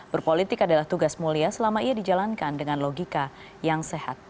berpolitik adalah tugas mulia selama ia dijalankan dengan logika yang sehat